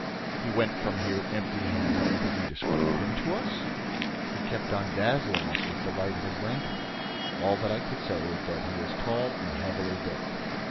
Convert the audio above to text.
"He went from here empty handed." "Could you describe him to us?" "He kept on dazzling us with the light of his lantern. All that I could say is that he is tall and heavily built."